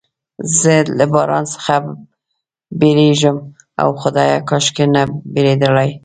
زه له باران څخه بیریږم، اوه خدایه، کاشکې نه بیریدلای.